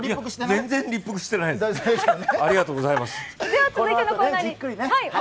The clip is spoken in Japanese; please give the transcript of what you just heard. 全然立腹してない。